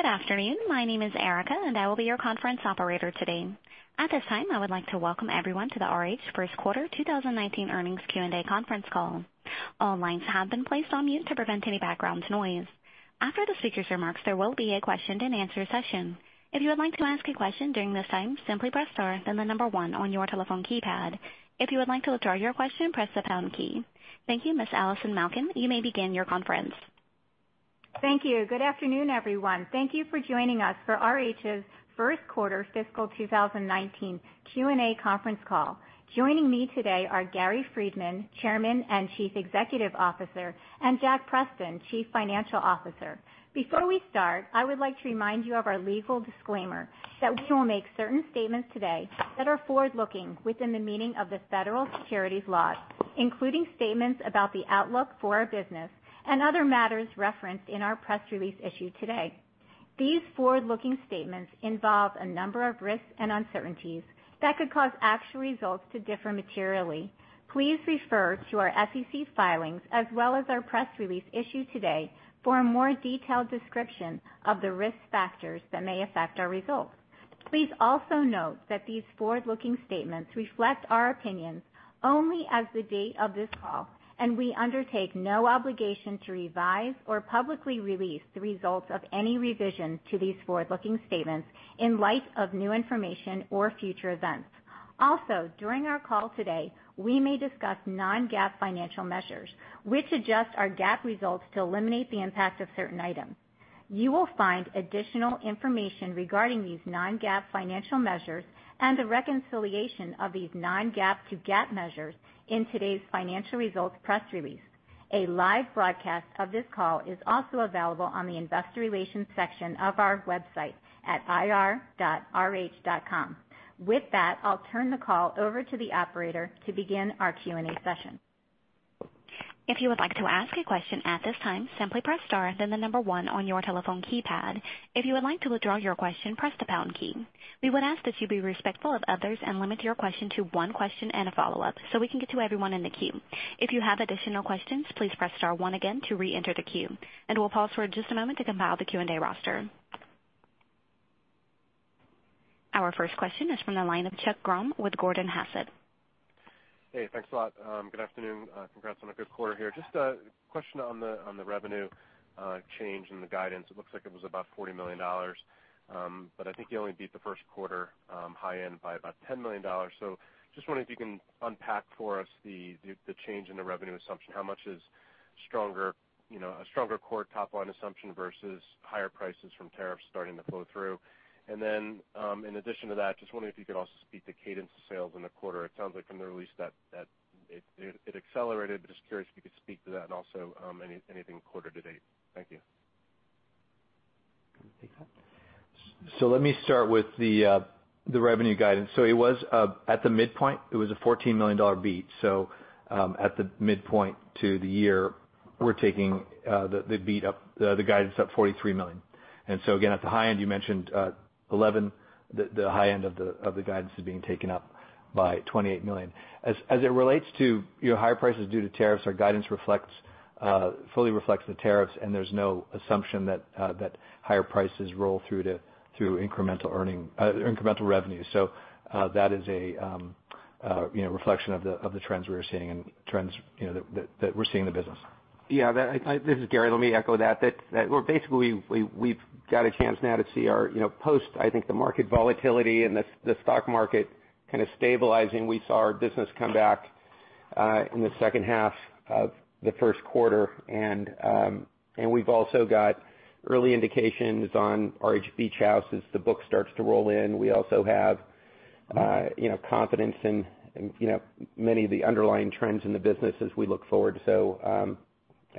Good afternoon. My name is Erica, I will be your conference operator today. At this time, I would like to welcome everyone to the RH first quarter 2019 earnings Q&A conference call. All lines have been placed on mute to prevent any background noise. After the speakers' remarks, there will be a question and answer session. If you would like to ask a question during this time, simply press star, then the number one on your telephone keypad. If you would like to withdraw your question, press the pound key. Thank you, Ms. Allison Malkin, you may begin your conference. Thank you. Good afternoon, everyone. Thank you for joining us for RH's first quarter fiscal 2019 Q&A conference call. Joining me today are Gary Friedman, Chairman and Chief Executive Officer, and Jack Preston, Chief Financial Officer. Before we start, I would like to remind you of our legal disclaimer that we will make certain statements today that are forward-looking within the meaning of the federal securities laws, including statements about the outlook for our business and other matters referenced in our press release issued today. These forward-looking statements involve a number of risks and uncertainties that could cause actual results to differ materially. Please refer to our SEC filings as well as our press release issued today for a more detailed description of the risk factors that may affect our results. Please also note that these forward-looking statements reflect our opinions only as of the date of this call. We undertake no obligation to revise or publicly release the results of any revision to these forward-looking statements in light of new information or future events. Also, during our call today, we may discuss non-GAAP financial measures, which adjust our GAAP results to eliminate the impact of certain items. You will find additional information regarding these non-GAAP financial measures and the reconciliation of these non-GAAP to GAAP measures in today's financial results press release. A live broadcast of this call is also available on the investor relations section of our website at ir.rh.com. With that, I'll turn the call over to the operator to begin our Q&A session. If you would like to ask a question at this time, simply press star then the number one on your telephone keypad. If you would like to withdraw your question, press the pound key. We would ask that you be respectful of others and limit your question to one question and a follow-up so we can get to everyone in the queue. If you have additional questions, please press star one again to reenter the queue. We'll pause for just a moment to compile the Q&A roster. Our first question is from the line of Chuck Grom with Gordon Haskett. Hey, thanks a lot. Good afternoon. Congrats on a good quarter here. Just a question on the revenue change in the guidance. It looks like it was about $40 million. I think you only beat the first quarter high end by about $10 million. Just wondering if you can unpack for us the change in the revenue assumption. How much is a stronger core top-line assumption versus higher prices from tariffs starting to flow through? In addition to that, just wondering if you could also speak to cadence of sales in the quarter. It sounds like from the release that it accelerated, but just curious if you could speak to that and also anything quarter to date. Thank you. You want to take that? Let me start with the revenue guidance. It was at the midpoint, it was a $14 million beat. At the midpoint to the year, we're taking the beat up, the guidance up $43 million. Again, at the high end, you mentioned 11, the high end of the guidance is being taken up by $28 million. As it relates to higher prices due to tariffs, our guidance fully reflects the tariffs, and there's no assumption that higher prices roll through to incremental revenue. That is a reflection of the trends we're seeing in the business. Yeah. This is Gary. Let me echo that. Basically, we've got a chance now to see our post, I think, the market volatility and the stock market kind of stabilizing. We saw our business come back in the second half of the first quarter, and we've also got early indications on RH Beach House as the book starts to roll in. We also have confidence in many of the underlying trends in the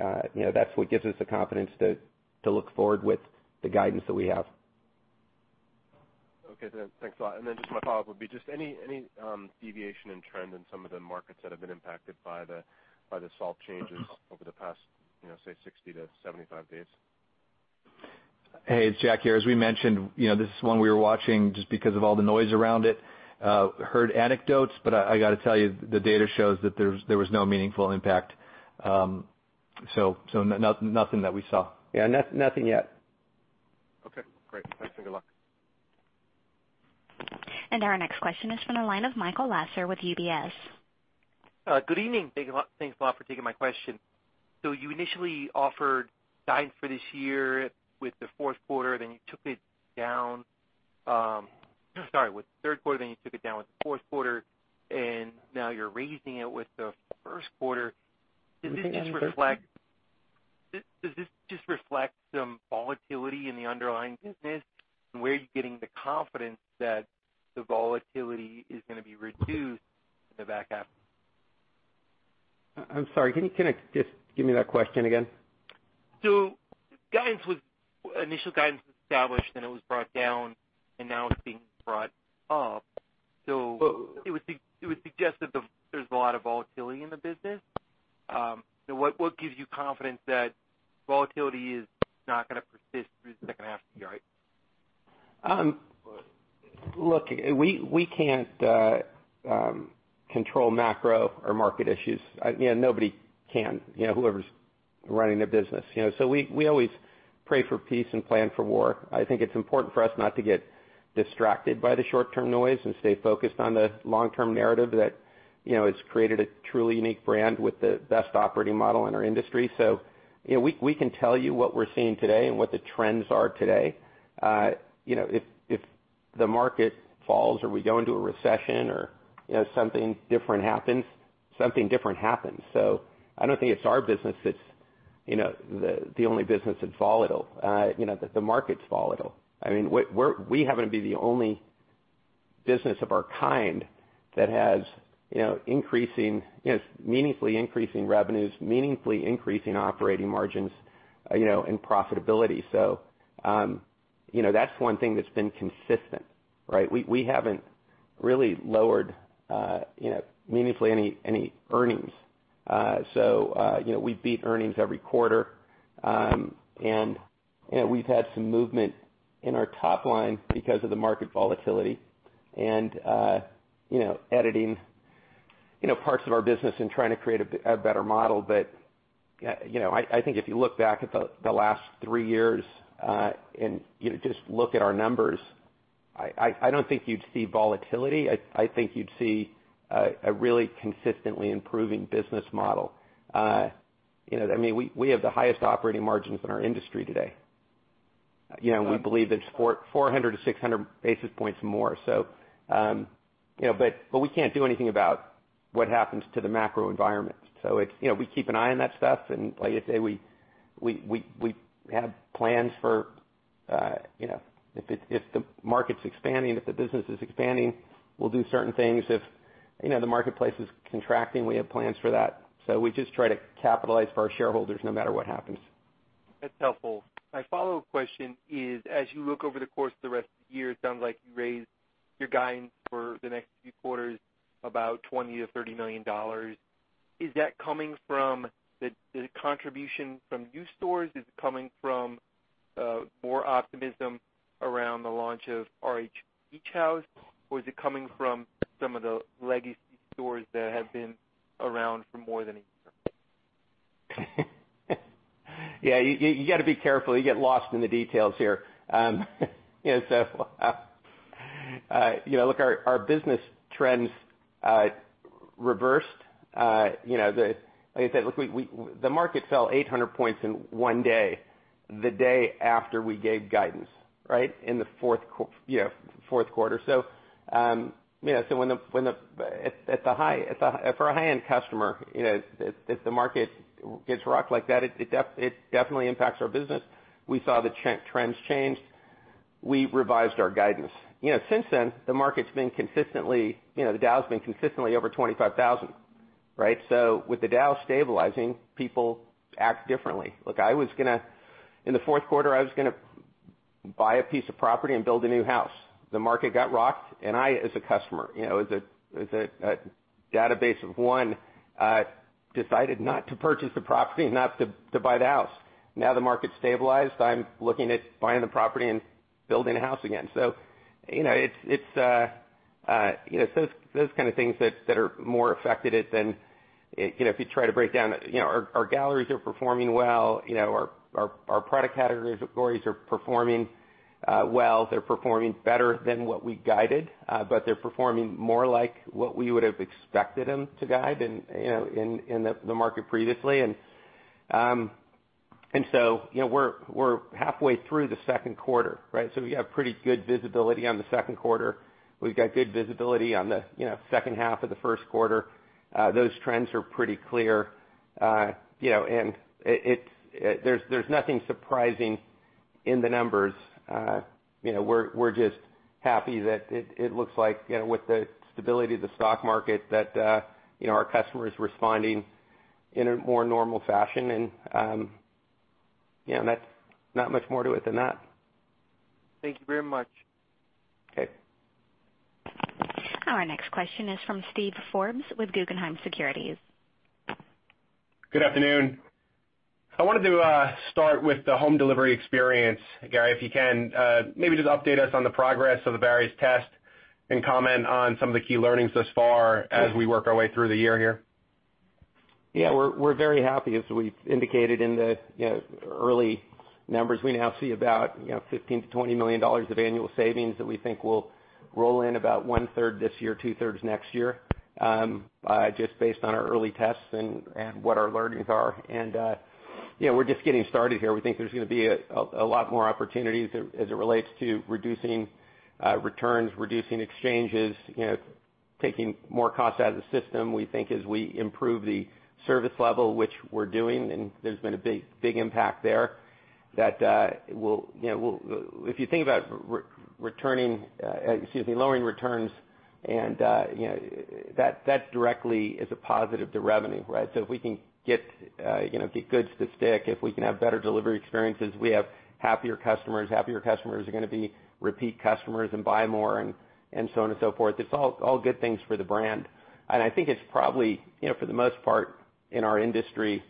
business as we look forward. That's what gives us the confidence to look forward with the guidance that we have. Okay. Thanks a lot. My follow-up would be just any deviation in trend in some of the markets that have been impacted by the SALT changes over the past, say 60-75 days? Hey, it's Jack here. As we mentioned, this is one we were watching just because of all the noise around it. Heard anecdotes, I got to tell you, the data shows that there was no meaningful impact. Nothing that we saw. Yeah. Nothing yet. Okay, great. Thanks and good luck. Our next question is from the line of Michael Lasser with UBS. Good evening. Thanks a lot for taking my question. You initially offered guidance for this year with the fourth quarter, then you took it down. Sorry, with the third quarter, then you took it down with the fourth quarter, and now you're raising it with the first quarter. Can you say again? Sorry. Does this just reflect some volatility in the underlying business? Where are you getting the confidence that the volatility is going to be reduced in the back half? I'm sorry. Can you just give me that question again? Initial guidance was established, then it was brought down, and now it's being brought up. It would suggest that there's a lot of volatility in the business. What gives you confidence that volatility is not going to persist through the second half of the year? Look, we can't control macro or market issues. Nobody can, whoever's running their business. We always pray for peace and plan for war. I think it's important for us not to get distracted by the short-term noise and stay focused on the long-term narrative that has created a truly unique brand with the best operating model in our industry. We can tell you what we're seeing today and what the trends are today. If the market falls or we go into a recession or something different happens. I don't think it's our business that's the only business that's volatile. The market's volatile. We happen to be the only business of our kind that has meaningfully increasing revenues, meaningfully increasing operating margins, and profitability. That's one thing that's been consistent, right? We haven't really lowered meaningfully any earnings. We beat earnings every quarter. We've had some movement in our top line because of the market volatility and editing parts of our business and trying to create a better model. I think if you look back at the last three years, and just look at our numbers, I don't think you'd see volatility. I think you'd see a really consistently improving business model. We have the highest operating margins in our industry today. We believe it's 400-600 basis points more. We can't do anything about what happens to the macro environment. We keep an eye on that stuff, and like I say, we have plans for if the market's expanding, if the business is expanding, we'll do certain things. If the marketplace is contracting, we have plans for that. We just try to capitalize for our shareholders no matter what happens. That's helpful. My follow-up question is, as you look over the course of the rest of the year, it sounds like you raised your guidance for the next few quarters about $20 million-$30 million. Is that coming from the contribution from new stores? Is it coming from more optimism around the launch of RH Beach House, or is it coming from some of the legacy stores that have been around for more than a year? Yeah, you got to be careful. You get lost in the details here. Look, our business trends reversed. Like I said, the market fell 800 points in one day, the day after we gave guidance in the fourth quarter. For a high-end customer, if the market gets rocked like that, it definitely impacts our business. We saw the trends change. We revised our guidance. Since then, the Dow's been consistently over 25,000, right? With the Dow stabilizing, people act differently. In the fourth quarter, I was going to buy a piece of property and build a new house. The market got rocked, and I, as a customer, as a database of one, decided not to purchase the property, not to buy the house. Now the market's stabilized, I'm looking at buying the property and building a house again. Those kind of things that are more affected than if you try to break down. Our galleries are performing well, our product categories are performing well. They're performing better than what we guided, but they're performing more like what we would have expected them to guide in the market previously. We're halfway through the second quarter, right? We have pretty good visibility on the second quarter. We've got good visibility on the second half of the first quarter. Those trends are pretty clear. There's nothing surprising in the numbers. We're just happy that it looks like with the stability of the stock market, that our customer is responding in a more normal fashion, and there's not much more to it than that. Thank you very much. Okay. Our next question is from Steven Forbes with Guggenheim Securities. Good afternoon. I wanted to start with the home delivery experience, Gary, if you can maybe just update us on the progress of the various tests and comment on some of the key learnings thus far as we work our way through the year here. Yeah, we're very happy. As we've indicated in the early numbers, we now see about $15 million-$20 million of annual savings that we think will roll in about one-third this year, two-thirds next year, just based on our early tests and what our learnings are. We're just getting started here. We think there's going to be a lot more opportunities as it relates to reducing returns, reducing exchanges, taking more cost out of the system. We think as we improve the service level, which we're doing, there's been a big impact there. If you think about lowering returns and that directly is a positive to revenue, right? If we can get goods to stick, if we can have better delivery experiences, we have happier customers. Happier customers are going to be repeat customers and buy more and so on and so forth. It's all good things for the brand. I think it's probably, for the most part in our industry,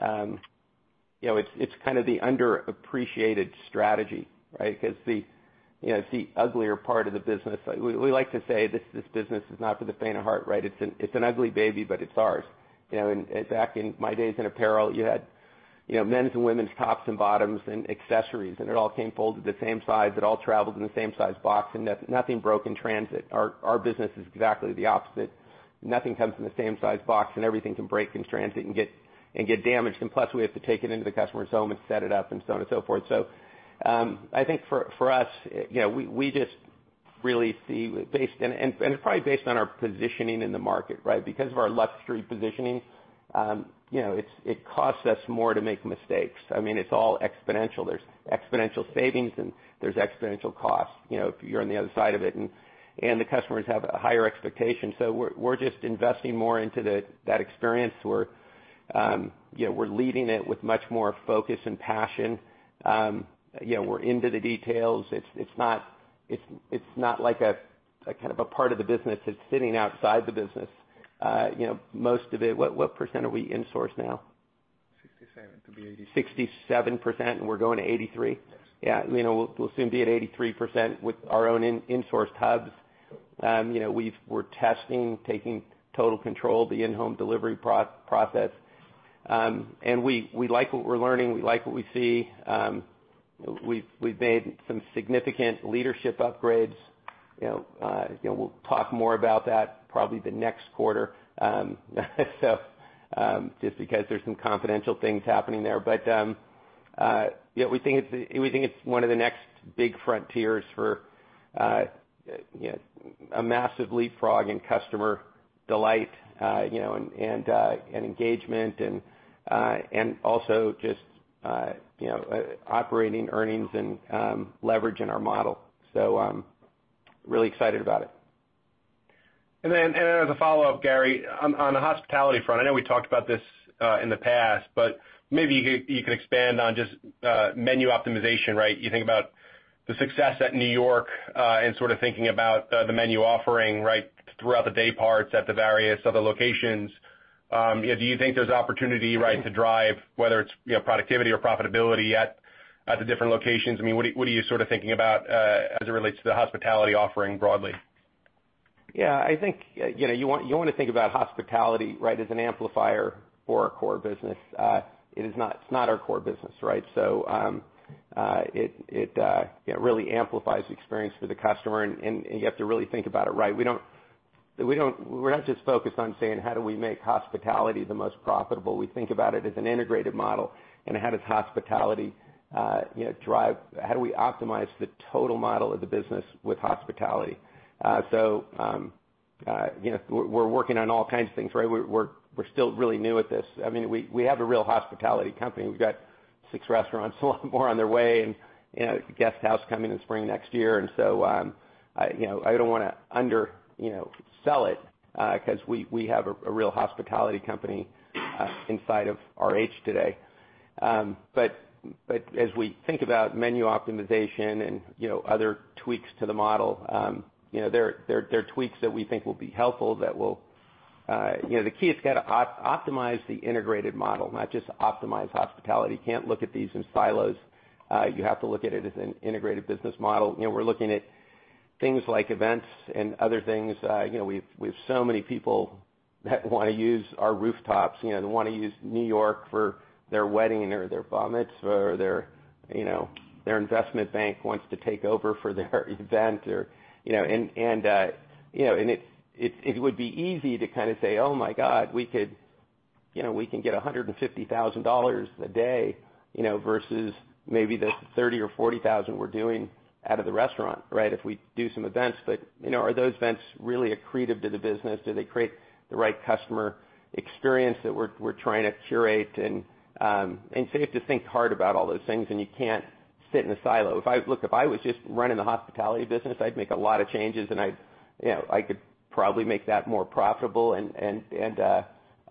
it's kind of the underappreciated strategy, right? It's the uglier part of the business. We like to say this business is not for the faint of heart, right? It's an ugly baby, but it's ours. Back in my days in apparel, you had men's and women's tops and bottoms and accessories, and it all came folded the same size. It all traveled in the same size box, and nothing broke in transit. Our business is exactly the opposite. Nothing comes in the same size box, and everything can break in transit and get damaged. Plus, we have to take it into the customer's home and set it up, and so on and so forth. I think for us, and it's probably based on our positioning in the market, right? Because of our luxury positioning, it costs us more to make mistakes. It's all exponential. There's exponential savings, and there's exponential costs, if you're on the other side of it. The customers have a higher expectation. We're just investing more into that experience. We're leading it with much more focus and passion. We're into the details. It's not like a kind of a part of the business that's sitting outside the business. Most of it, what percent are we insourced now? 67% to be 83%. 67%, and we're going to 83%? Yes. Yeah. We'll soon be at 83% with our own insourced hubs. We're testing, taking total control of the in-home delivery process. We like what we're learning. We like what we see. We've made some significant leadership upgrades. We'll talk more about that probably the next quarter just because there's some confidential things happening there. We think it's one of the next big frontiers for a massive leapfrog in customer delight, and engagement and also just operating earnings and leverage in our model. Really excited about it. As a follow-up, Gary, on the hospitality front, I know we talked about this in the past, but maybe you could expand on just menu optimization, right? You think about the success at New York, and sort of thinking about the menu offering throughout the day parts at the various other locations. Do you think there's opportunity to drive whether it's productivity or profitability at the different locations? What are you sort of thinking about as it relates to the hospitality offering broadly? I think, you want to think about hospitality as an amplifier for our core business. It is not our core business, right? It really amplifies the experience for the customer, and you have to really think about it, right? We're not just focused on saying, how do we make hospitality the most profitable? We think about it as an integrated model and how does hospitality drive how do we optimize the total model of the business with hospitality? We're working on all kinds of things, right? We're still really new at this. We have a real hospitality company. We've got six restaurants, a lot more on their way, and a guest house coming in spring next year. I don't want to undersell it, because we have a real hospitality company inside of RH today. As we think about menu optimization and other tweaks to the model, there are tweaks that we think will be helpful. The key is you got to optimize the integrated model, not just optimize hospitality. You can't look at these in silos. You have to look at it as an integrated business model. We're looking at things like events and other things. We've so many people that want to use our rooftops. They want to use N.Y. for their wedding or their bar mitzvah, or their investment bank wants to take over for their event. It would be easy to kind of say, "Oh my God, we can get $150,000 a day," versus maybe the $30,000 or $40,000 we're doing out of the restaurant if we do some events. Are those events really accretive to the business? Do they create the right customer experience that we're trying to curate? You have to think hard about all those things, and you can't sit in a silo. Look, if I was just running the hospitality business, I'd make a lot of changes, and I could probably make that more profitable and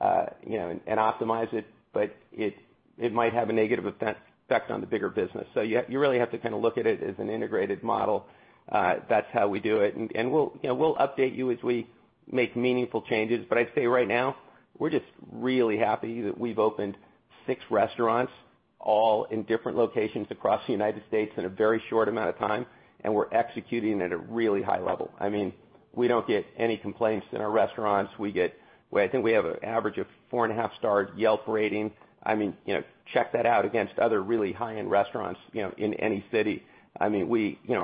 optimize it, but it might have a negative effect on the bigger business. You really have to kind of look at it as an integrated model. That's how we do it. We'll update you as we make meaningful changes. I'd say right now, we're just really happy that we've opened six restaurants, all in different locations across the U.S. in a very short amount of time, and we're executing at a really high level. We don't get any complaints in our restaurants. I think we have an average of four and a half star Yelp rating. Check that out against other really high-end restaurants in any city. Our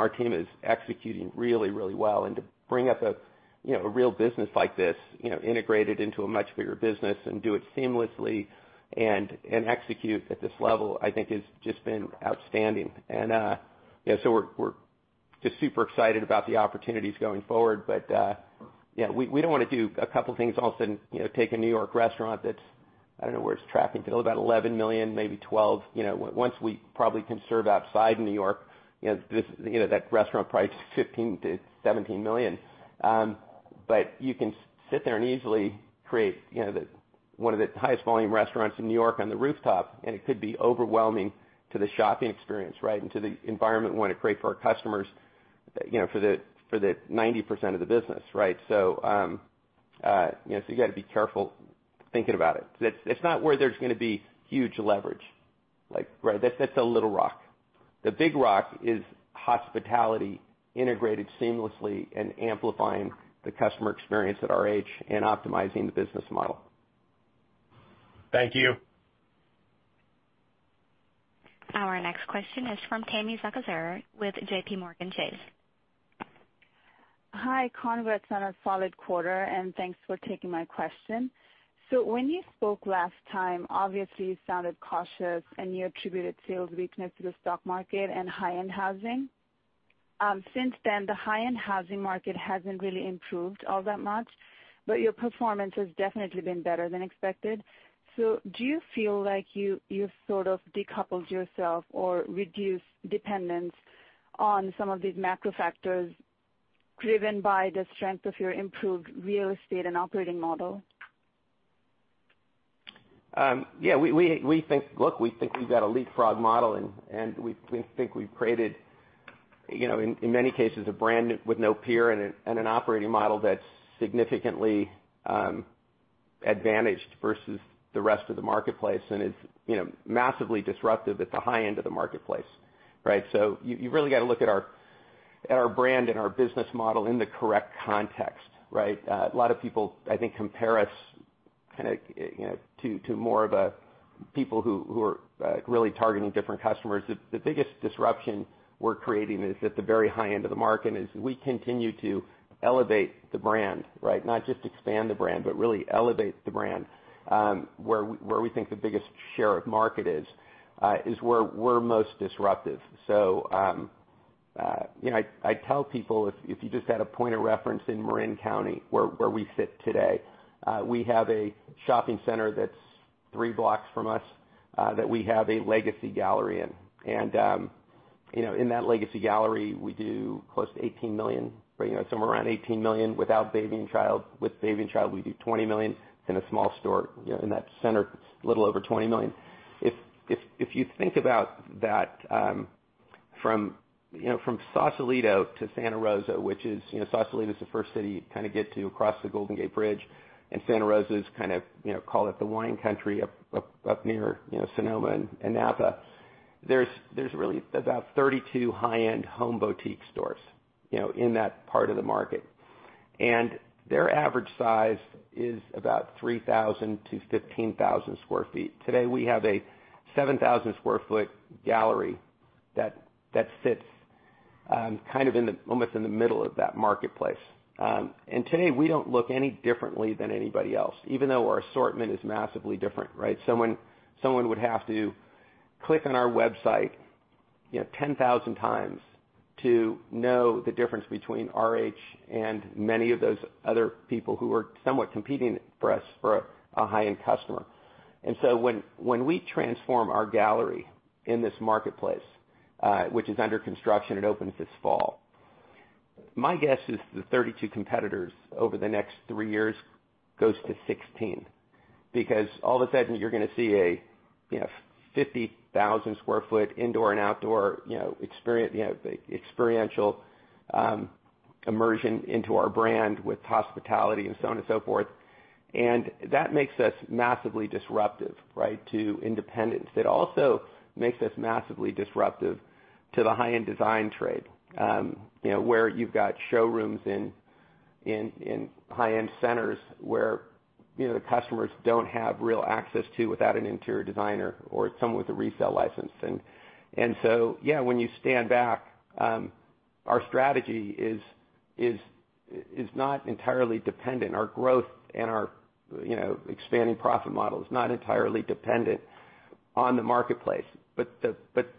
team is executing really well and to bring up a real business like this, integrated into a much bigger business and do it seamlessly and execute at this level, I think has just been outstanding. We're just super excited about the opportunities going forward. We don't want to do a couple things all of a sudden, take a N.Y. restaurant that's, I don't know where it's tracking, Bill, about $11 million, maybe $12 million. Once we probably can serve outside N.Y., that restaurant probably is $15 million to $17 million. You can sit there and easily create one of the highest volume restaurants in N.Y. on the rooftop, and it could be overwhelming to the shopping experience and to the environment we want to create for our customers for the 90% of the business, right? You got to be careful thinking about it. It's not where there's going to be huge leverage. That's a little rock. The big rock is hospitality integrated seamlessly and amplifying the customer experience at RH and optimizing the business model. Thank you. Our next question is from Tami Zakaria with JPMorgan Chase. Hi, congrats on a solid quarter, and thanks for taking my question. When you spoke last time, obviously you sounded cautious, and you attributed sales weakness to the stock market and high-end housing. Since then, the high-end housing market hasn't really improved all that much, but your performance has definitely been better than expected. Do you feel like you've sort of decoupled yourself or reduced dependence on some of these macro factors driven by the strength of your improved real estate and operating model? Look, we think we've got a leapfrog model, and we think we've created, in many cases, a brand with no peer and an operating model that's significantly advantaged versus the rest of the marketplace and is massively disruptive at the high end of the marketplace. You really got to look at our brand and our business model in the correct context. A lot of people, I think, compare us to more of a people who are really targeting different customers. The biggest disruption we're creating is at the very high end of the market, as we continue to elevate the brand. Not just expand the brand, but really elevate the brand where we think the biggest share of market is where we're most disruptive. I tell people, if you just had a point of reference in Marin County where we sit today, we have a shopping center that's three blocks from us that we have a legacy gallery in. In that legacy gallery, we do close to $18 million, somewhere around $18 million without baby and child. With baby and child, we do $20 million in a small store in that center, a little over $20 million. If you think about that from Sausalito to Santa Rosa, which is Sausalito is the first city you kind of get to across the Golden Gate Bridge, and Santa Rosa is kind of call it the wine country up near Sonoma and Napa. There's really about 32 high-end home boutique stores in that part of the market. Their average size is about 3,000-15,000 sq ft. Today, we have a 7,000 sq ft gallery that sits almost in the middle of that marketplace. Today we don't look any differently than anybody else, even though our assortment is massively different. Someone would have to click on our website 10,000 times to know the difference between RH and many of those other people who are somewhat competing for us for a high-end customer. When we transform our gallery in this marketplace, which is under construction, it opens this fall. My guess is the 32 competitors over the next three years goes to 16 because all of a sudden you're going to see a 50,000 sq ft indoor and outdoor experiential immersion into our brand with hospitality and so on and so forth. That makes us massively disruptive to independents. It also makes us massively disruptive to the high-end design trade where you've got showrooms in high-end centers where the customers don't have real access to without an interior designer or someone with a resale license. When you stand back, our strategy is not entirely dependent. Our growth and our expanding profit model is not entirely dependent on the marketplace.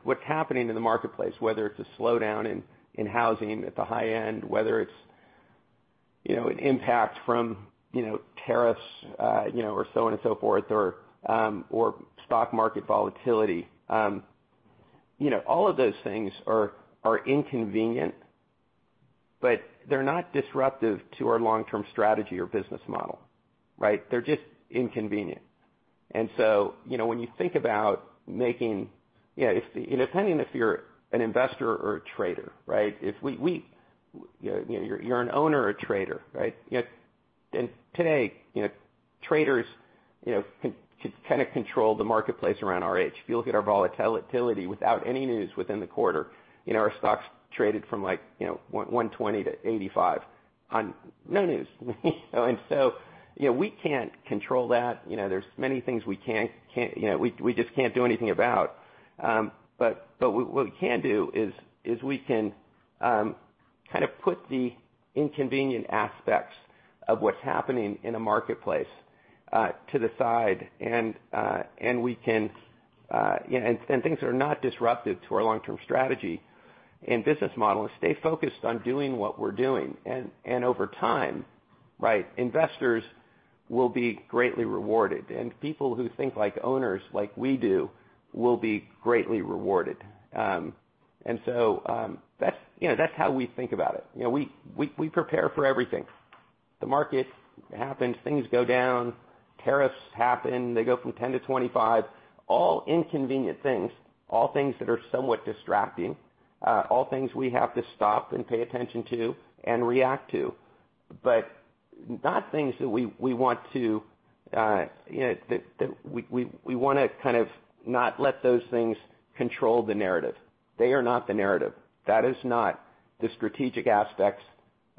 What's happening in the marketplace, whether it's a slowdown in housing at the high end, whether it's an impact from tariffs or so on and so forth or stock market volatility. All of those things are inconvenient, but they're not disruptive to our long-term strategy or business model. They're just inconvenient. When you think about depending if you're an investor or a trader. If you're an owner or trader. Today, traders kind of control the marketplace around RH. If you look at our volatility without any news within the quarter, our stocks traded from $120-$85 on no news. We can't control that. There's many things we just can't do anything about. What we can do is we can kind of put the inconvenient aspects of what's happening in a marketplace to the side, and things that are not disruptive to our long-term strategy and business model, and stay focused on doing what we're doing. Over time investors will be greatly rewarded. People who think like owners, like we do, will be greatly rewarded. That's how we think about it. We prepare for everything. The market happens, things go down. Tariffs happen, they go from 10%-25%. All inconvenient things, all things that are somewhat distracting, all things we have to stop and pay attention to and react to. We want to not let those things control the narrative. They are not the narrative. That is not the strategic aspects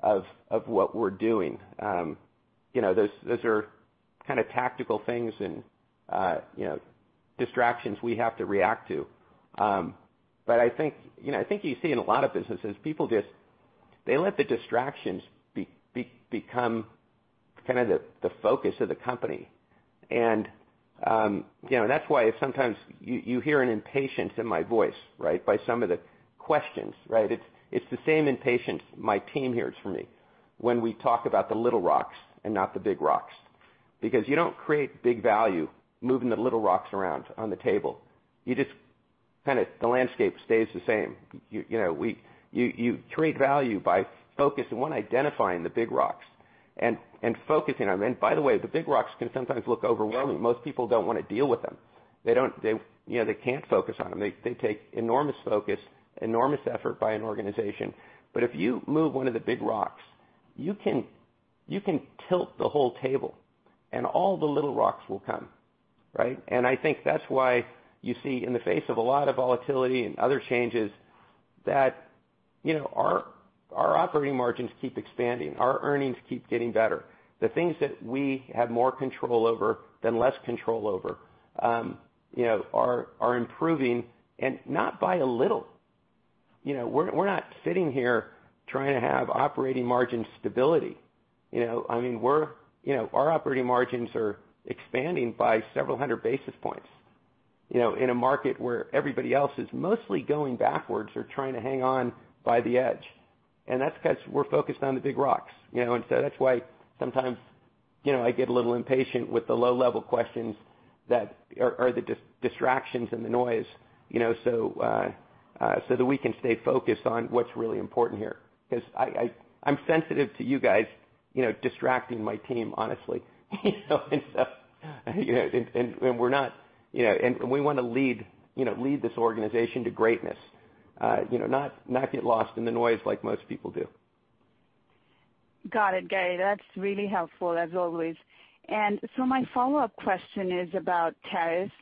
of what we're doing. Those are tactical things and distractions we have to react to. I think you see in a lot of businesses, people just let the distractions become the focus of the company. That's why sometimes you hear an impatience in my voice by some of the questions. It's the same impatience my team hears from me when we talk about the little rocks and not the big rocks, because you don't create big value moving the little rocks around on the table. The landscape stays the same. You create value by one, identifying the big rocks and focusing on them. By the way, the big rocks can sometimes look overwhelming. Most people don't want to deal with them. They can't focus on them. They take enormous focus, enormous effort by an organization. If you move one of the big rocks, you can tilt the whole table and all the little rocks will come. I think that's why you see in the face of a lot of volatility and other changes, that our operating margins keep expanding, our earnings keep getting better. The things that we have more control over than less control over are improving, and not by a little. We're not sitting here trying to have operating margin stability. Our operating margins are expanding by several hundred basis points in a market where everybody else is mostly going backwards or trying to hang on by the edge, and that's because we're focused on the big rocks. That's why sometimes I get a little impatient with the low-level questions that are the distractions and the noise so that we can stay focused on what's really important here. Because I'm sensitive to you guys distracting my team, honestly. We want to lead this organization to greatness, not get lost in the noise like most people do. Got it, Gary. That's really helpful, as always. My follow-up question is about tariffs.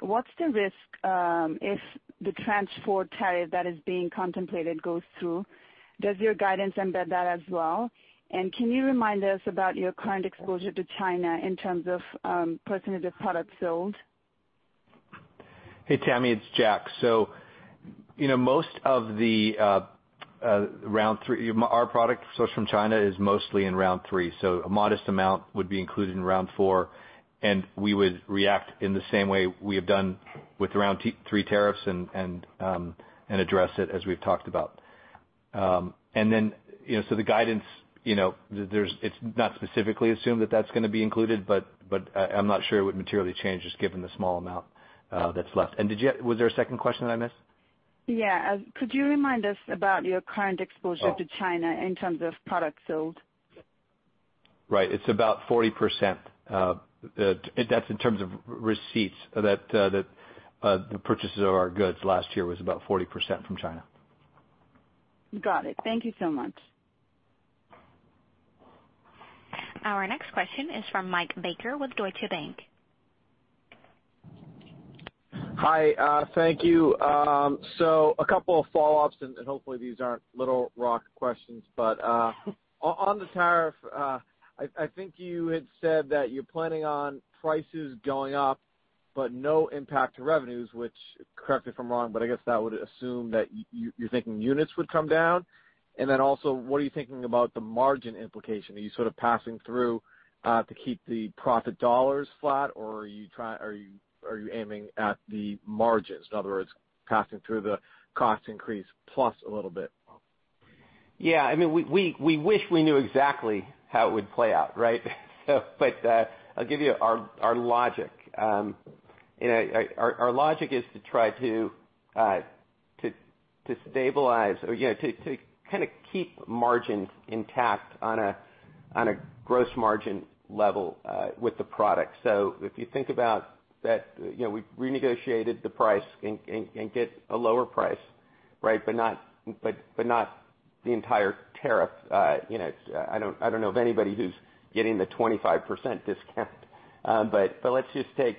What's the risk if the transport tariff that is being contemplated goes through? Does your guidance embed that as well? Can you remind us about your current exposure to China in terms of percentage of products sold? Hey, Tami, it's Jack. Our product sourced from China is mostly in round three, a modest amount would be included in round four, and we would react in the same way we have done with round three tariffs and address it as we've talked about. The guidance, it's not specifically assumed that that's going to be included, but I'm not sure it would materially change just given the small amount that's left. Was there a second question that I missed? Yeah. Could you remind us about your current exposure to China in terms of products sold? Right. It's about 40%. That's in terms of receipts, that the purchases of our goods last year was about 40% from China. Got it. Thank you so much. Our next question is from Michael Baker with D.A. Davidson. Hi. Thank you. A couple of follow-ups, and hopefully these aren't little rock questions, but on the tariff, I think you had said that you're planning on prices going up, but no impact to revenues, which correct me if I'm wrong, but I guess that would assume that you're thinking units would come down. And then also, what are you thinking about the margin implication? Are you sort of passing through to keep the profit dollars flat, or are you aiming at the margins? In other words, passing through the cost increase plus a little bit. We wish we knew exactly how it would play out, right? I'll give you our logic. Our logic is to try to stabilize or to kind of keep margins intact on a gross margin level with the product. If you think about that, we renegotiated the price and get a lower price, but not the entire tariff. I don't know of anybody who's getting the 25% discount, but let's just take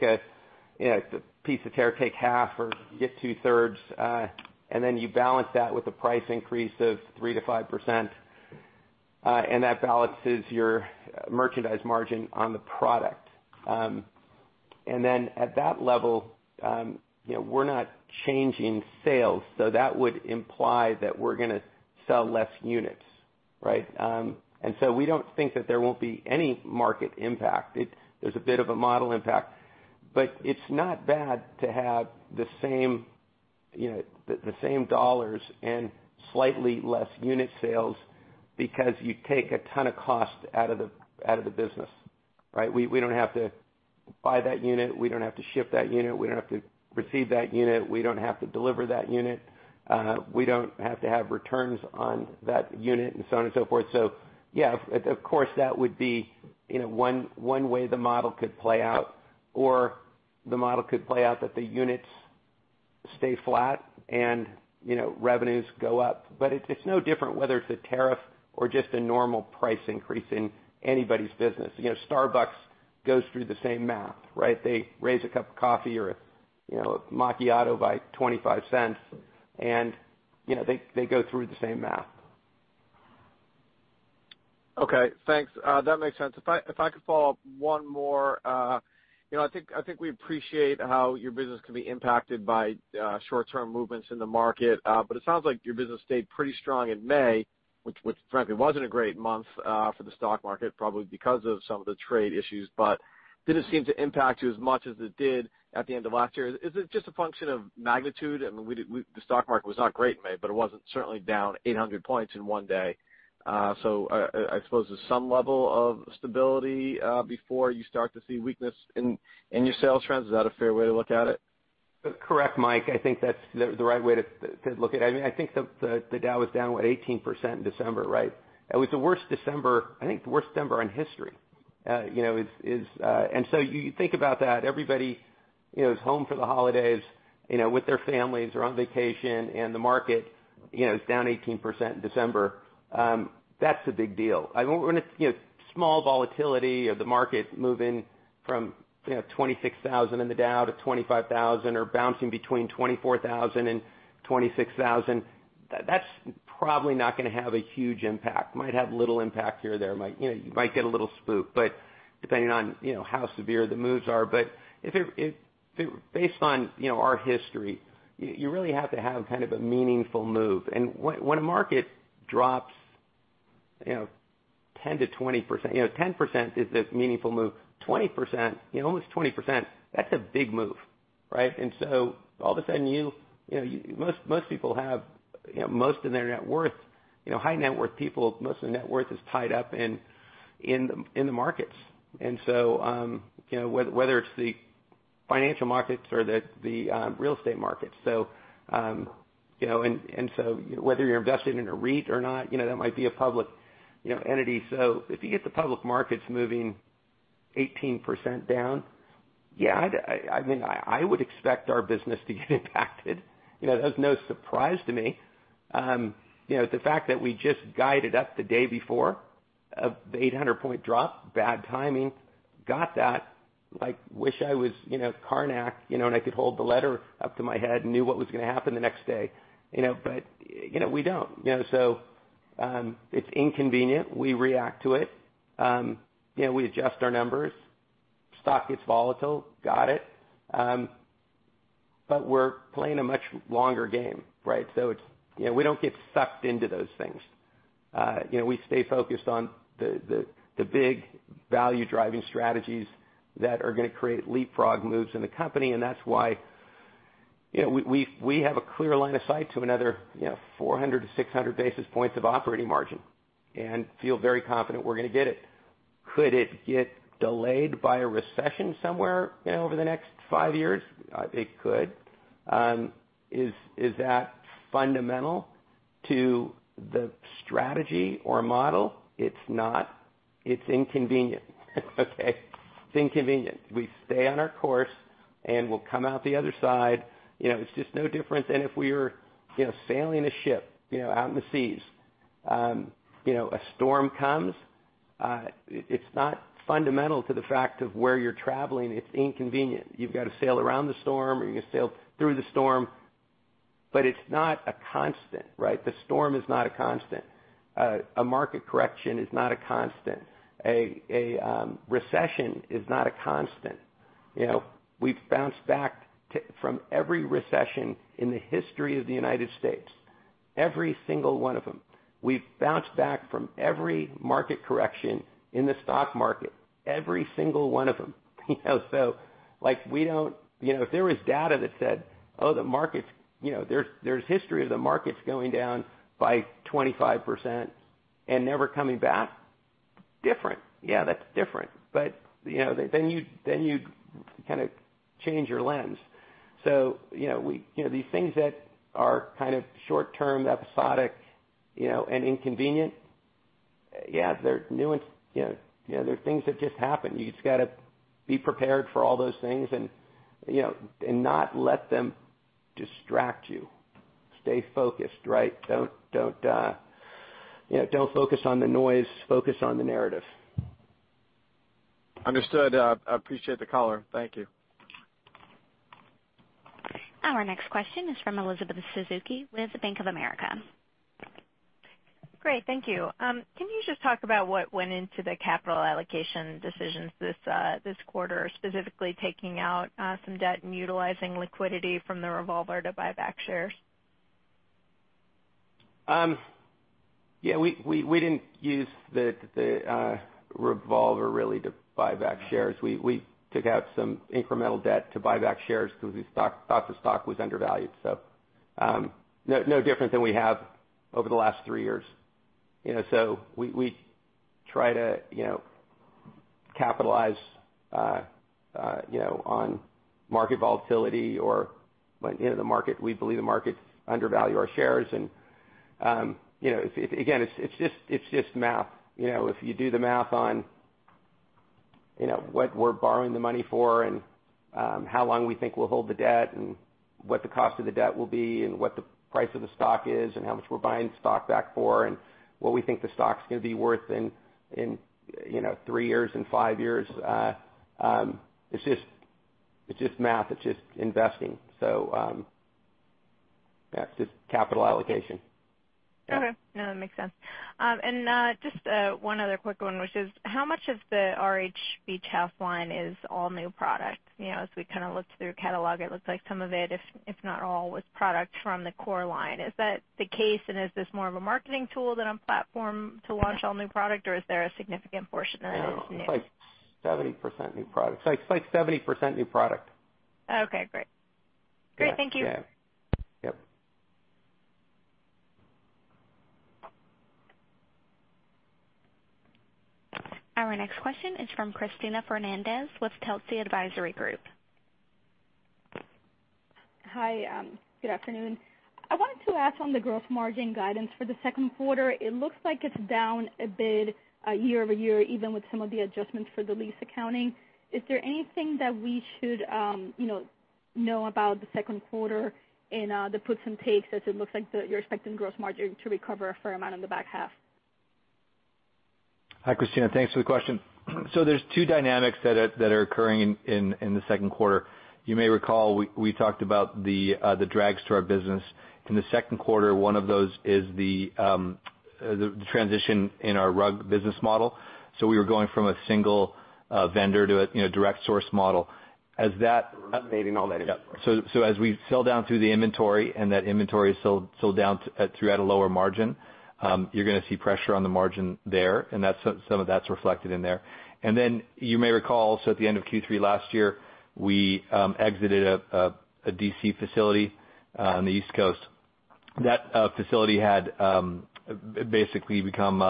a piece of tariff, take half or get two-thirds, and then you balance that with a price increase of 3%-5%, and that balances your merchandise margin on the product. At that level, we're not changing sales, so that would imply that we're going to sell less units. We don't think that there won't be any market impact. There's a bit of a model impact, but it's not bad to have the same dollars and slightly less unit sales because you take a ton of cost out of the business. We don't have to buy that unit, we don't have to ship that unit, we don't have to receive that unit, we don't have to deliver that unit, we don't have to have returns on that unit, and so on and so forth. Of course, that would be one way the model could play out, or the model could play out that the units stay flat and revenues go up. It's no different whether it's a tariff or just a normal price increase in anybody's business. Starbucks goes through the same math, right? They raise a cup of coffee or a macchiato by $0.25 and they go through the same math. Okay, thanks. That makes sense. If I could follow up one more. I think we appreciate how your business can be impacted by short-term movements in the market, but it sounds like your business stayed pretty strong in May, which frankly wasn't a great month for the stock market, probably because of some of the trade issues. It didn't seem to impact you as much as it did at the end of last year. Is it just a function of magnitude? I mean, the stock market was not great in May, but it wasn't certainly down 800 points in one day. I suppose there's some level of stability before you start to see weakness in your sales trends. Is that a fair way to look at it? Correct, Mike, I think that's the right way to look at it. I think the Dow was down, what, 18% in December, right? It was the worst December, I think the worst December in history. You think about that, everybody is home for the holidays with their families or on vacation, and the market is down 18% in December. That's a big deal. When it's small volatility of the market moving from 26,000 in the Dow to 25,000, or bouncing between 24,000 and 26,000, that's probably not gonna have a huge impact. Might have little impact here or there. You might get a little spooked, but depending on how severe the moves are. Based on our history, you really have to have kind of a meaningful move. When a market drops 10%-20%. 10% is a meaningful move. 20%, almost 20%, that's a big move, right? All of a sudden, most people have most of their net worth, high net worth people, most of the net worth is tied up in the markets. Whether it's the financial markets or the real estate market. Whether you're invested in a REIT or not, that might be a public entity. If you get the public markets moving 18% down, yeah, I would expect our business to get impacted. That's no surprise to me. The fact that we just guided up the day before of the 800-point drop, bad timing. Got that. Wish I was Carnac, and I could hold the letter up to my head and knew what was going to happen the next day. We don't. It's inconvenient. We react to it. We adjust our numbers. Stock gets volatile. Got it. We're playing a much longer game, right? We don't get sucked into those things. We stay focused on the big value-driving strategies that are gonna create leapfrog moves in the company. That's why we have a clear line of sight to another 400 to 600 basis points of operating margin and feel very confident we're gonna get it. Could it get delayed by a recession somewhere over the next five years? It could. Is that fundamental to the strategy or model? It's not. It's inconvenient, okay? It's inconvenient. We stay on our course, and we'll come out the other side. It's just no different than if we were sailing a ship out in the seas. A storm comes, it's not fundamental to the fact of where you're traveling. It's inconvenient. You've got to sail around the storm, or you sail through the storm, it's not a constant, right? The storm is not a constant. A market correction is not a constant. A recession is not a constant. We've bounced back from every recession in the history of the U.S., every single one of them. We've bounced back from every market correction in the stock market, every single one of them. If there was data that said, "Oh, there's history of the markets going down by 25% and never coming back," different. Yeah, that's different. You kind of change your lens. These things that are kind of short-term, episodic, and inconvenient, yeah, they're things that just happen. You just got to be prepared for all those things and not let them distract you. Stay focused, right? Don't focus on the noise. Focus on the narrative. Understood. I appreciate the color. Thank you. Our next question is from Elizabeth Suzuki with Bank of America. Great. Thank you. Can you just talk about what went into the capital allocation decisions this quarter, specifically taking out some debt and utilizing liquidity from the revolver to buy back shares? Yeah, we didn't use the revolver really to buy back shares. We took out some incremental debt to buy back shares because we thought the stock was undervalued. No different than we have over the last 3 years. We try to capitalize on market volatility or when we believe the market undervalue our shares. Again, it's just math. If you do the math on what we're borrowing the money for and how long we think we'll hold the debt and what the cost of the debt will be and what the price of the stock is and how much we're buying stock back for and what we think the stock's going to be worth in 3 years and 5 years, it's just math. It's just investing. Yeah. It's just capital allocation. Okay. No, that makes sense. Just one other quick one, which is, how much of the RH Beach House line is all new product? As we looked through the catalog, it looks like some of it, if not all, was product from the core line. Is that the case, and is this more of a marketing tool than a platform to launch all new product, or is there a significant portion of it that's new? It's like 70% new product. Okay, great. Great. Thank you. Yeah. Our next question is from Cristina Fernández with Telsey Advisory Group. Hi. Good afternoon. I wanted to ask on the gross margin guidance for the second quarter, it looks like it's down a bit year-over-year, even with some of the adjustments for the lease accounting. Is there anything that we should know about the second quarter in the puts and takes, as it looks like you're expecting gross margin to recover a fair amount in the back half? Hi, Cristina. Thanks for the question. There's two dynamics that are occurring in the second quarter. You may recall, we talked about the drags to our business. In the second quarter, one of those is the transition in our rug business model. We were going from a single vendor to a direct source model. Eliminating all that inventory. Yep. As we sell down through the inventory and that inventory is sold down throughout a lower margin, you're going to see pressure on the margin there, and some of that's reflected in there. Then you may recall, at the end of Q3 last year, we exited a DC facility on the East Coast. That facility had basically become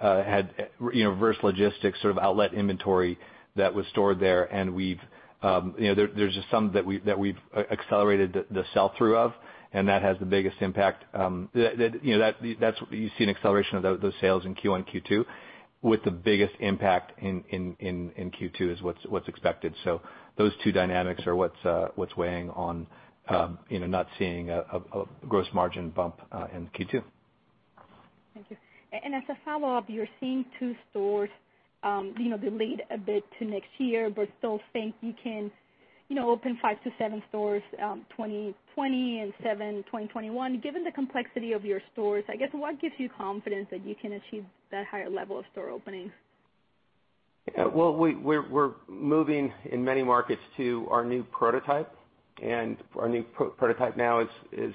reverse logistics, sort of outlet inventory that was stored there, and there's just some that we've accelerated the sell-through of, and that has the biggest impact. You see an acceleration of those sales in Q1, Q2, with the biggest impact in Q2 is what's expected. Those two dynamics are what's weighing on not seeing a gross margin bump in Q2. Thank you. As a follow-up, you're seeing two stores delayed a bit to next year, but still think you can open five to seven stores 2020 and seven 2021. Given the complexity of your stores, I guess what gives you confidence that you can achieve that higher level of store openings? We're moving in many markets to our new prototype. Our new prototype now is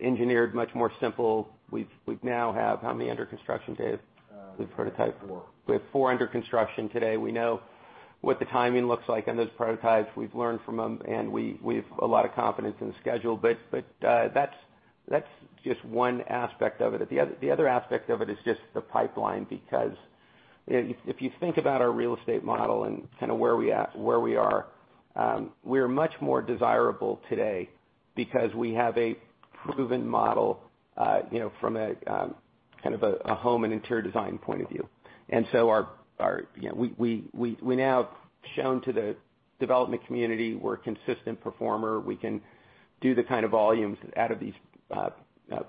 engineered much more simple. We now have how many under construction, Dave, with prototype? Four. We have four under construction today. We know what the timing looks like on those prototypes. We've learned from them. We've a lot of confidence in the schedule. That's just one aspect of it. The other aspect of it is just the pipeline because if you think about our real estate model and kind of where we are, we are much more desirable today because we have a proven model from a home and interior design point of view. We now have shown to the development community we're a consistent performer. We can do the kind of volumes out of these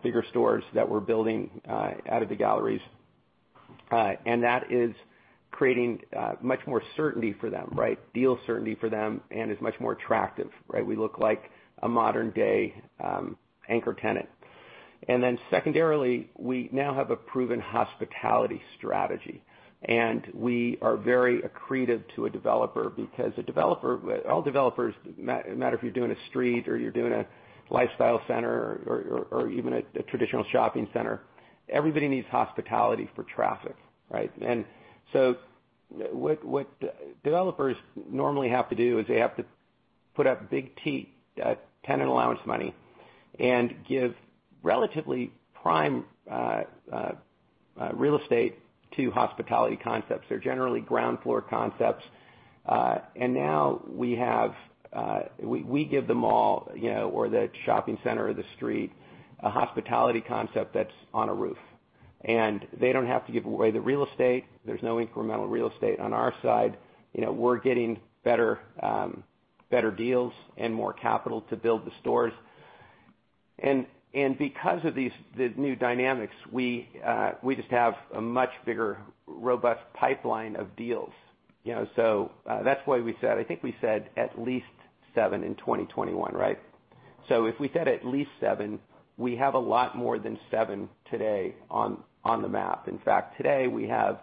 bigger stores that we're building out of the galleries. That is creating much more certainty for them, right? Deal certainty for them and is much more attractive, right? We look like a modern-day anchor tenant. Secondarily, we now have a proven hospitality strategy. We are very accretive to a developer because all developers, no matter if you're doing a street or you're doing a lifestyle center or even a traditional shopping center, everybody needs hospitality for traffic, right? What developers normally have to do is they have to put up big tenant allowance money and give relatively prime real estate to hospitality concepts. They're generally ground floor concepts. Now we give the mall or the shopping center or the street, a hospitality concept that's on a roof, and they don't have to give away the real estate. There's no incremental real estate on our side. We're getting better deals and more capital to build the stores. Because of these new dynamics, we just have a much bigger, robust pipeline of deals. That's why we said, I think we said at least seven in 2021, right? If we said at least seven, we have a lot more than seven today on the map. In fact, today, we have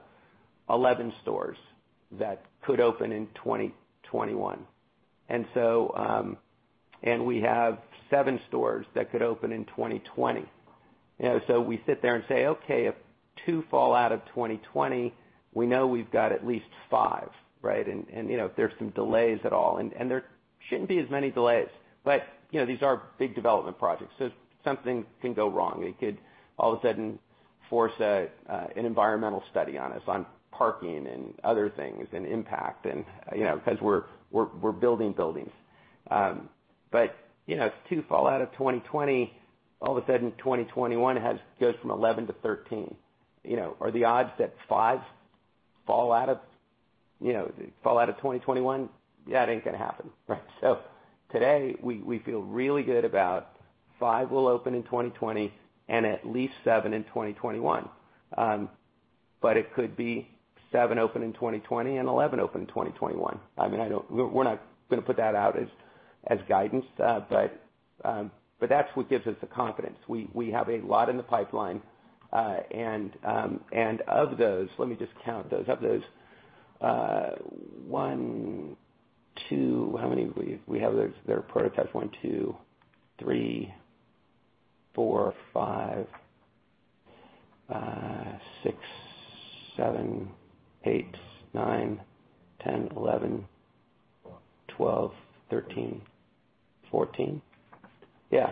11 stores that could open in 2021. We have seven stores that could open in 2020. We sit there and say, "Okay, if two fall out of 2020, we know we've got at least five," right? If there's some delays at all, and there shouldn't be as many delays, but these are big development projects. Something can go wrong. It could all of a sudden force an environmental study on us on parking and other things and impact because we're building buildings. If two fall out of 2020, all of a sudden 2021 goes from 11 to 13. Are the odds that five fall out of 2021? Yeah, that ain't going to happen, right? Today, we feel really good about five will open in 2020 and at least seven in 2021. It could be seven open in 2020 and 11 open in 2021. We're not going to put that out as guidance. That's what gives us the confidence. We have a lot in the pipeline. Of those, let me just count those. Of those one, two. How many we have that are prototypes? One, two, three, four, five, six, seven, eight, nine, 10, 11, 12, 13, 14. Yeah.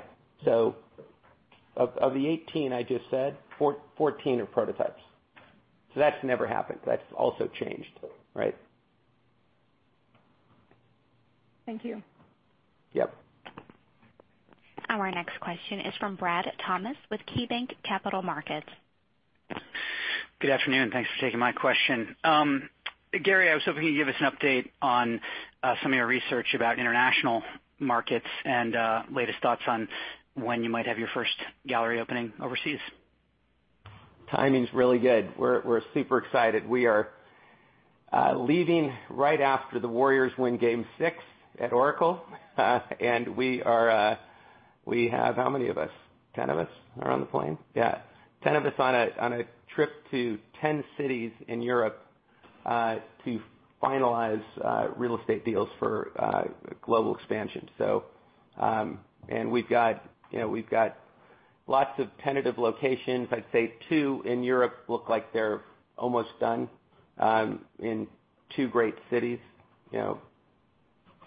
Of the 18 I just said, 14 are prototypes. That's never happened. That's also changed, right? Thank you. Yep. Our next question is from Bradley Thomas with KeyBanc Capital Markets. Good afternoon. Thanks for taking my question. Gary, I was hoping you could give us an update on some of your research about international markets and latest thoughts on when you might have your first gallery opening overseas. Timing's really good. We're super excited. We are leaving right after the Warriors win Game 6 at Oracle. We have, how many of us? 10 of us are on the plane? Yeah. 10 of us on a trip to 10 cities in Europe to finalize real estate deals for global expansion. We've got lots of tentative locations. I'd say two in Europe look like they're almost done in two great cities.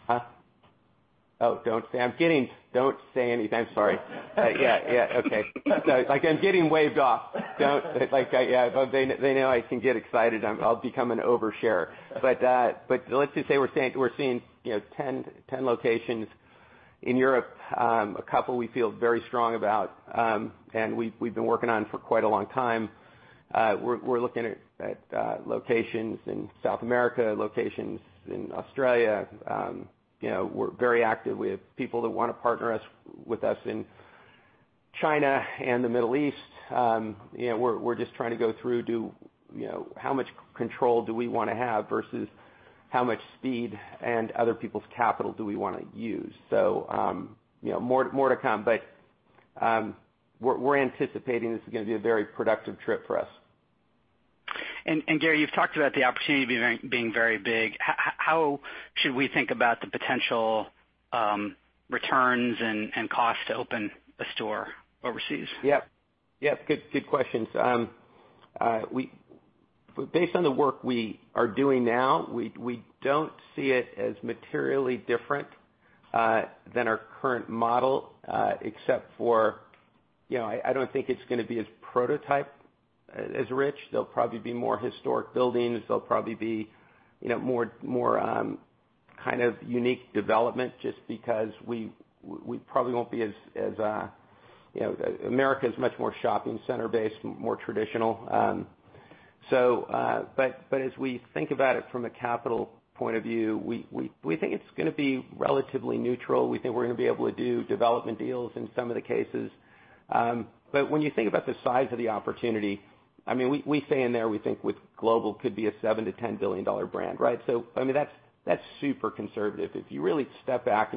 Huh? Oh, don't say. Don't say anything. I'm sorry. Yeah. Okay. I'm getting waved off. They know I can get excited. I'll become an over-sharer. Let's just say we're seeing 10 locations in Europe. A couple we feel very strong about, and we've been working on for quite a long time. We're looking at locations in South America, locations in Australia. We're very active. We have people that want to partner with us in China and the Middle East. We're just trying to go through how much control do we want to have versus how much speed and other people's capital do we want to use. More to come. We're anticipating this is going to be a very productive trip for us. Gary, you've talked about the opportunity being very big. How should we think about the potential returns and cost to open a store overseas? Yep. Good questions. Based on the work we are doing now, we don't see it as materially different than our current model, except for, I don't think it's going to be as prototype, as rich. They'll probably be more historic buildings. They'll probably be more kind of unique development just because America is much more shopping center based, more traditional. As we think about it from a capital point of view, we think it's going to be relatively neutral. We think we're going to be able to do development deals in some of the cases. When you think about the size of the opportunity, we say in there we think with global could be a $7 billion-$10 billion brand, right? That's super conservative. If you really step back,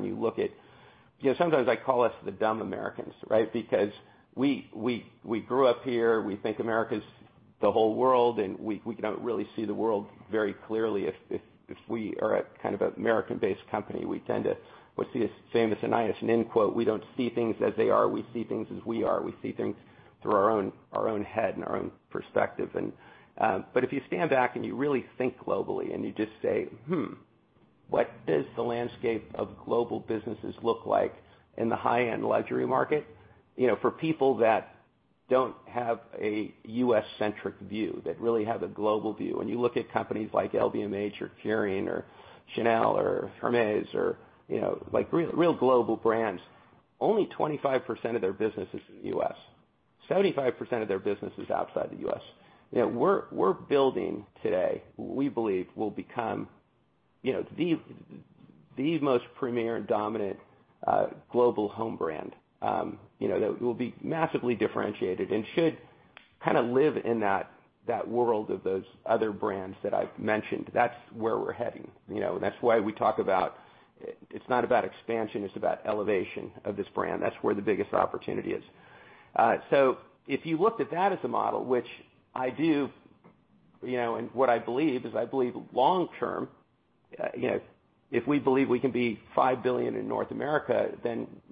Sometimes I call us the dumb Americans, right? We grew up here. We think America's the whole world, we cannot really see the world very clearly if we are a kind of American-based company. We tend to, what's the famous Anaïs Nin quote, "We don't see things as they are. We see things as we are." We see things through our own head and our own perspective. If you stand back and you really think globally and you just say, "Hmm, what does the landscape of global businesses look like in the high-end luxury market?" For people that don't have a U.S.-centric view, that really have a global view, and you look at companies like LVMH or Kering or Chanel or Hermès or real global brands, only 25% of their business is in the U.S. 75% of their business is outside the U.S. We're building today, we believe will become the most premier, dominant global home brand that will be massively differentiated and should kind of live in that world of those other brands that I've mentioned. That's where we're heading. That's why we talk about it's not about expansion, it's about elevation of this brand. That's where the biggest opportunity is. If you looked at that as a model, which I do, and what I believe is I believe long term, if we believe we can be $5 billion in North America,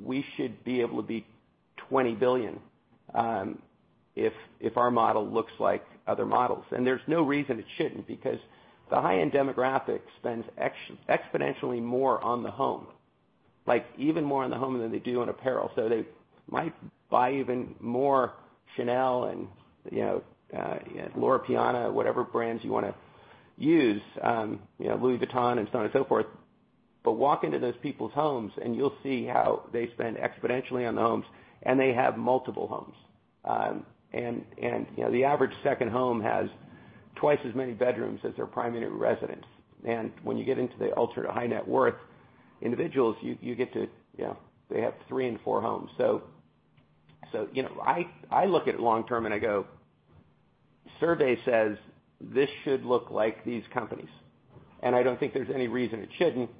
we should be able to be $20 billion if our model looks like other models. There's no reason it shouldn't, because the high-end demographic spends exponentially more on the home even more on the home than they do on apparel. They might buy even more Chanel and Loro Piana, whatever brands you want to use, Louis Vuitton and so on and so forth. Walk into those people's homes and you'll see how they spend exponentially on the homes, and they have multiple homes. The average second home has twice as many bedrooms as their primary residence. When you get into the ultra-high net worth individuals, they have three and four homes. I look at it long term and I go, survey says this should look like these companies, and I don't think there's any reason it shouldn't.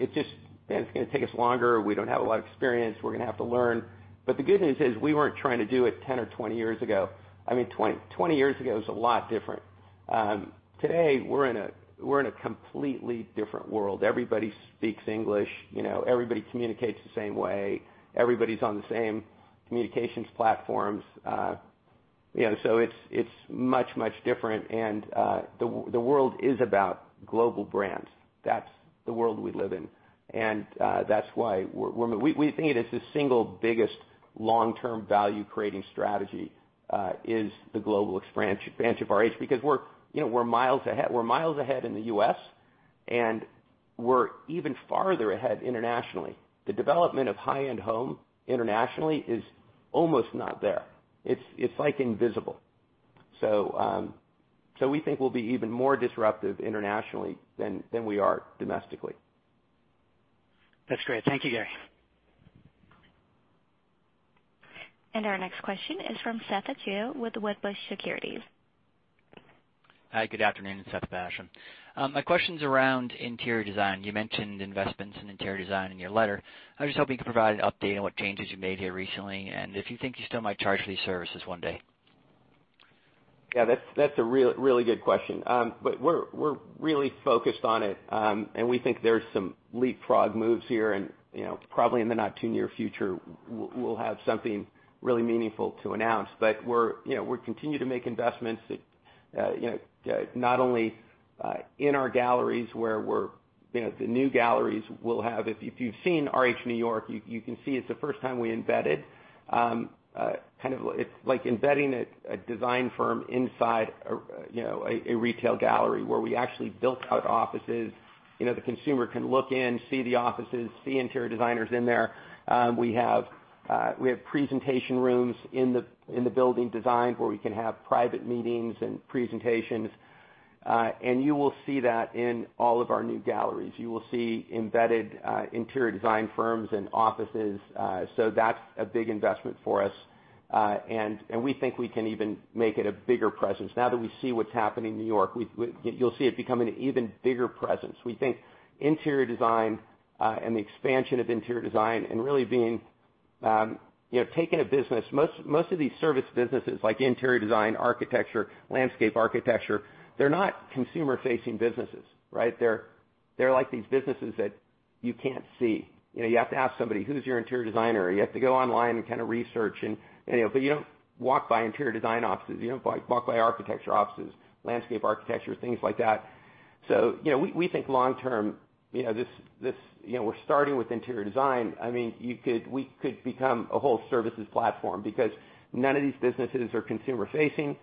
It's just going to take us longer. We don't have a lot of experience. We're going to have to learn. But the good news is, we weren't trying to do it 10 or 20 years ago. 20 years ago was a lot different. Today we're in a completely different world. Everybody speaks English. Everybody communicates the same way. Everybody's on the same communications platforms. It's much, much different, the world is about global brands. That's the world we live in, that's why we think it is the single biggest long-term value-creating strategy is the global expansion of RH, because we're miles ahead in the U.S., and we're even farther ahead internationally. The development of high-end home internationally is almost not there. It's like invisible. We think we'll be even more disruptive internationally than we are domestically. That's great. Thank you, Gary. Our next question is from Seth Basham with Wedbush Securities. Hi, good afternoon. Seth Basham. My question's around interior design. You mentioned investments in interior design in your letter. I was just hoping you could provide an update on what changes you've made here recently, and if you think you still might charge for these services one day. Yeah, that's a really good question. We're really focused on it, and we think there's some leapfrog moves here and probably in the not-too-near future, we'll have something really meaningful to announce. We continue to make investments not only in our galleries where The new galleries will have-- If you've seen RH New York, you can see it's the first time we embedded. It's like embedding a design firm inside a retail gallery where we actually built out offices. The consumer can look in, see the offices, see interior designers in there. We have presentation rooms in the building design where we can have private meetings and presentations. You will see that in all of our new galleries. You will see embedded interior design firms and offices. That's a big investment for us. We think we can even make it a bigger presence now that we see what's happening in N.Y. You'll see it become an even bigger presence. We think interior design and the expansion of interior design and really taking a business. Most of these service businesses like interior design, architecture, landscape architecture, they're not consumer-facing businesses, right? They're like these businesses that you can't see. You have to ask somebody, who's your interior designer? You have to go online and kind of research. You don't walk by interior design offices. You don't walk by architecture offices, landscape architecture, things like that. We think long term, we're starting with interior design. We could become a whole services platform because none of these businesses are consumer-facing.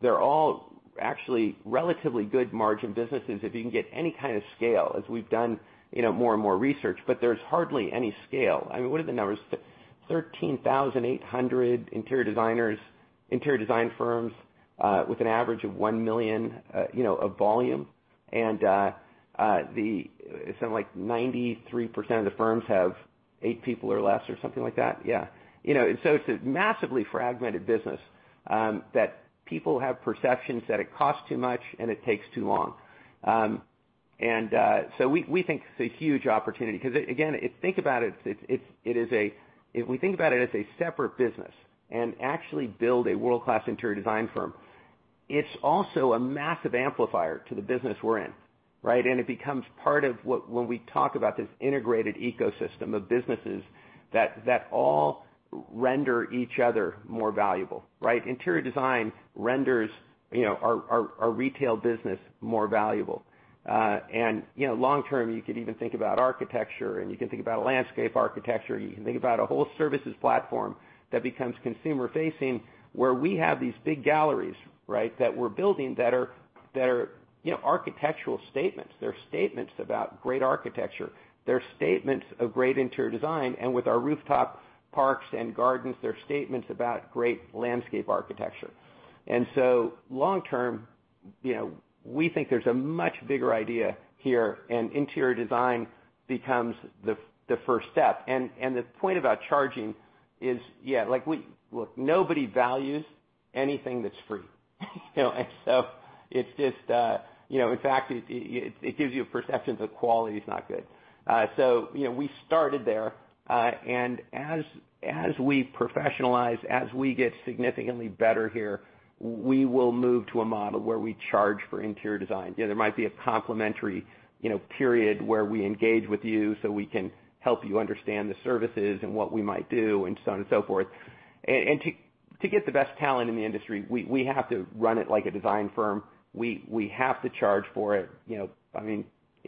They're all actually relatively good margin businesses if you can get any kind of scale, as we've done more and more research. There's hardly any scale. What are the numbers? 13,800 interior design firms with an average of $1 million of volume. Something like 93% of the firms have eight people or less or something like that. Yeah. It's a massively fragmented business that people have perceptions that it costs too much and it takes too long. We think it's a huge opportunity because, again, if we think about it as a separate business and actually build a world-class interior design firm, it's also a massive amplifier to the business we're in, right? It becomes part of when we talk about this integrated ecosystem of businesses that all render each other more valuable, right? Interior design renders our retail business more valuable. Long term, you could even think about architecture and you can think about landscape architecture, and you can think about a whole services platform that becomes consumer-facing, where we have these big galleries, right? That we're building better architectural statements. They're statements about great architecture. They're statements of great interior design. With our rooftop parks and gardens, they're statements about great landscape architecture. Long term, we think there's a much bigger idea here and interior design becomes the first step. The point about charging is, yeah, look, nobody values anything that's free. In fact, it gives you a perception that quality is not good. We started there, and as we professionalize, as we get significantly better here, we will move to a model where we charge for interior design. There might be a complimentary period where we engage with you so we can help you understand the services and what we might do, and so on and so forth. To get the best talent in the industry, we have to run it like a design firm. We have to charge for it.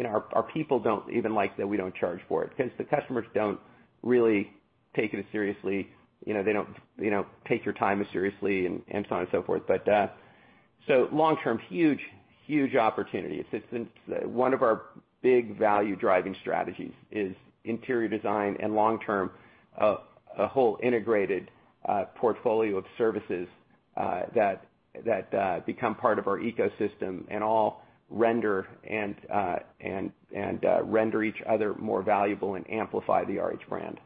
Our people don't even like that we don't charge for it, because the customers don't really take it as seriously. They don't take your time as seriously, and so on and so forth. Long term, huge opportunity. One of our big value-driving strategies is interior design and long term, a whole integrated portfolio of services that become part of our ecosystem and all render each other more valuable and amplify the RH brand.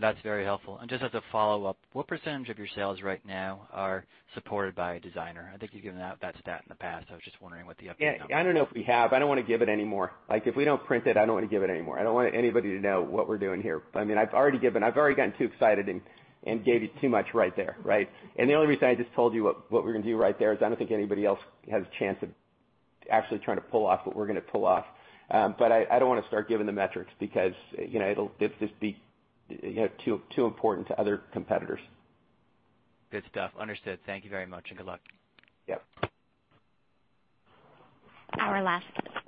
That's very helpful. Just as a follow-up, what % of your sales right now are supported by a designer? I think you've given that stat in the past, I was just wondering what the updated number is. Yeah. I don't know if we have. I don't want to give it anymore. If we don't print it, I don't want to give it anymore. I don't want anybody to know what we're doing here. I've already gotten too excited and gave you too much right there. Right? The only reason I just told you what we're going to do right there is I don't think anybody else has a chance of actually trying to pull off what we're going to pull off. I don't want to start giving the metrics because it'll just be too important to other competitors. Good stuff. Understood. Thank you very much, and good luck. Yep. Our last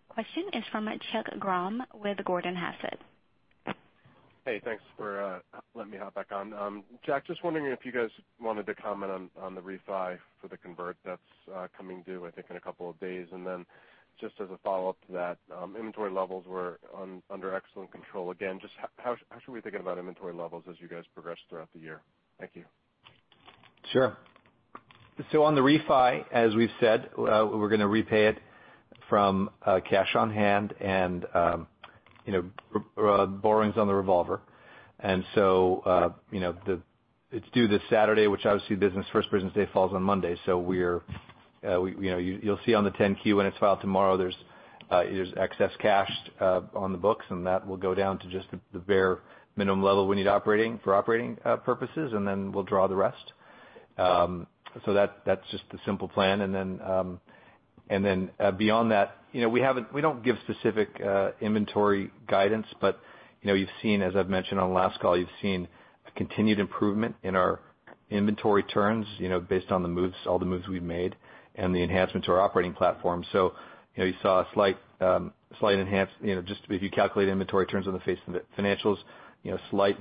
question is from Chuck Grom with Gordon Haskett. Hey, thanks for letting me hop back on. Jack, just wondering if you guys wanted to comment on the refi for the convert that's coming due, I think, in a couple of days. Just as a follow-up to that, inventory levels were under excellent control again. Just how should we be thinking about inventory levels as you guys progress throughout the year? Thank you. Sure. On the refi, as we've said, we're going to repay it from cash on hand and borrowings on the revolver. It's due this Saturday, which obviously First Business Day falls on Monday, you'll see on the 10-Q when it's filed tomorrow, there's excess cash on the books, and that will go down to just the bare minimum level we need for operating purposes, and then we'll draw the rest. That's just the simple plan. Beyond that, we don't give specific inventory guidance. As I've mentioned on the last call, you've seen a continued improvement in our inventory turns based on all the moves we've made and the enhancements to our operating platform. You saw a slight enhance, just if you calculate inventory turns on the face of the financials,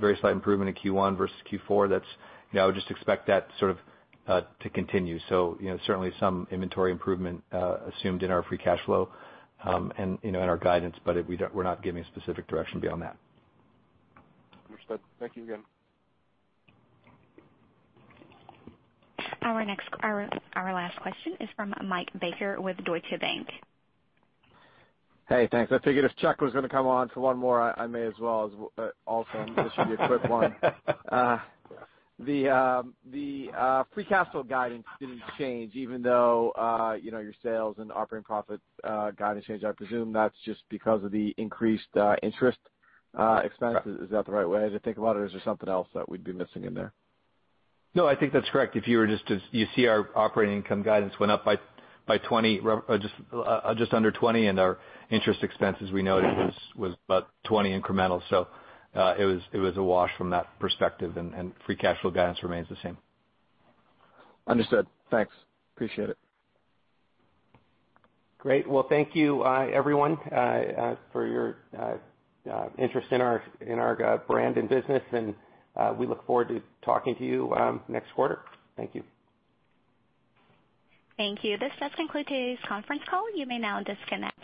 very slight improvement in Q1 versus Q4. I would just expect that to continue. Certainly, some inventory improvement assumed in our free cash flow and in our guidance, but we're not giving a specific direction beyond that. Understood. Thank you again. Our last question is from Michael Baker with Deutsche Bank. Hey, thanks. I figured if Chuck was going to come on for one more, I may as well also. This should be a quick one. The free cash flow guidance didn't change even though your sales and operating profit guidance changed. I presume that's just because of the increased interest expense. Correct. Is that the right way to think about it? Is there something else that we'd be missing in there? No, I think that's correct. If you see our operating income guidance went up by just under 20, and our interest expenses, we noted, was about 20 incremental. It was a wash from that perspective, and free cash flow guidance remains the same. Understood. Thanks. Appreciate it. Great. Well, thank you, everyone, for your interest in our brand and business, and we look forward to talking to you next quarter. Thank you. Thank you. This does conclude today's conference call. You may now disconnect.